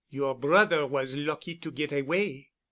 Your brother was lucky to get away."